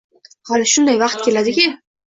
Hali shunday vaqt keladi-ki